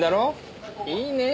いいねえ